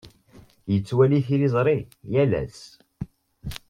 Yettwali tiliẓri yal ass.